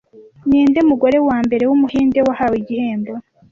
Ninde mugore wambere wumuhinde wahawe igihembo